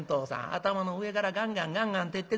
頭の上からガンガンガンガン照ってくるしな。